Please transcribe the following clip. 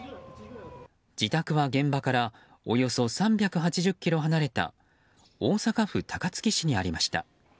自宅は現場からおよそ３８０ｋｍ離れた大阪府高槻市にありました。